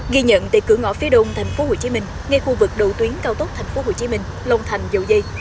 ghi nhận tại cửa ngõ phía đông tp hcm ngay khu vực đầu tuyến cao tốc tp hcm long thành dầu dây